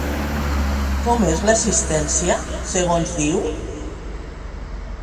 Com és l'existència, segons diu?